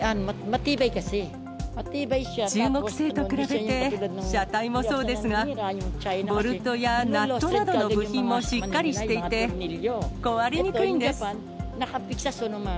中国製と比べて、車体もそうですが、ボルトやナットなどの部品もしっかりしていて、壊れにくいんです。